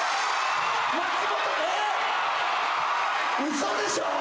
嘘でしょ！？